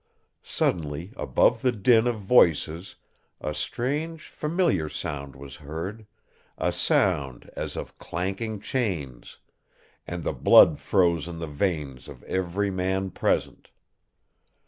Suddenly above the din of voices a strange, familiar sound was heard, a sound as of clanking chains, and the blood froze in the veins of every man present.